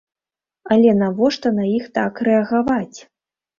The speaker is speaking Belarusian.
Але навошта на іх так рэагаваць?